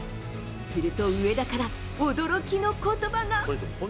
すると、上田から驚きのことばが。